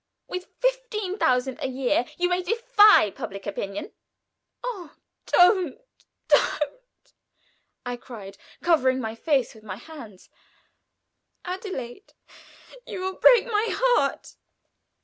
With fifteen thousand a year you may defy public opinion." "Oh, don't! don't!" I cried, covering my face with my hands. "Adelaide, you will break my heart!"